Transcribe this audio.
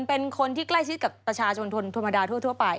เป็นคนที่ใกล้ชิดกับประชาชนธรรมดาทั่วไป